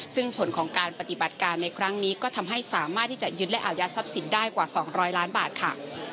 ซึ่งผลของการปฏิบัติการในครั้งนี้ก็ทำให้สามารถที่จะยึดและอายัดทรัพย์สินได้กว่า๒๐๐ล้านบาทค่ะ